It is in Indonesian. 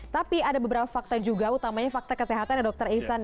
tapi ada beberapa fakta juga utamanya fakta kesehatan ya dokter ihsan